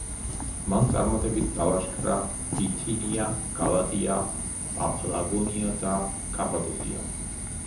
მან წარმატებით დალაშქრა ბითინია, გალატია, პაფლაგონია და კაპადოკია.